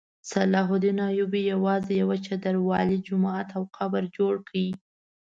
صلاح الدین ایوبي یوازې یوه چاردیوالي، جومات او قبر جوړ کړ.